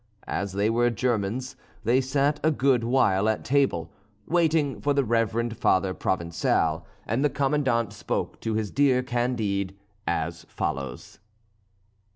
As they were Germans, they sat a good while at table, waiting for the reverend Father Provincial, and the Commandant spoke to his dear Candide as follows.